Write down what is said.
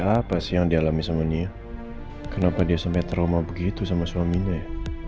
apa sih yang dialami sama nia kenapa dia sampai trauma begitu sama suaminya ya